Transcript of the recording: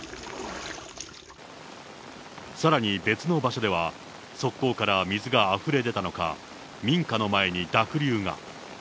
さらに別の場所では、側溝から水があふれ出たのか、民家の前に濁流が。